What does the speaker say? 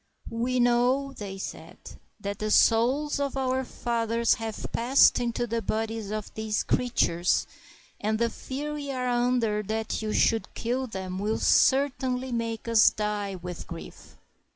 "We know," said they, "that the souls of our fathers have passed into the bodies of these creatures, and the fear we are under that you should kill them will cer tainly make us die with grief."